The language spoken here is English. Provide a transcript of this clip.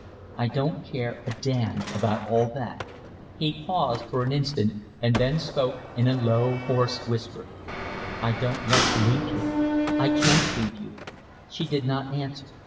"I don't care a damn about all that." He paused for an instant and then spoke in a low, hoarse whisper. "I don't want to leave you! I can't leave you." She did not answer.